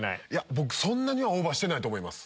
僕そんなにオーバーしてないと思います。